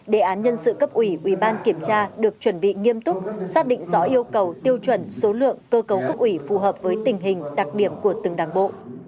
đề án nhân sự cấp ủy ủy ban kiểm tra được chuẩn bị nghiêm túc xác định rõ yêu cầu tiêu chuẩn số lượng cơ cấu cấp ủy phù hợp với tình hình đặc điểm của từng đảng bộ